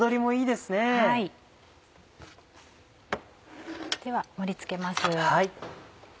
では盛り付けます。